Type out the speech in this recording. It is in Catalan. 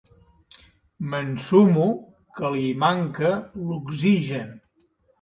M'ensumo que li manca l'oxigen.